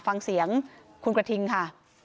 ฟังเสียงคุณกระทิงค่ะ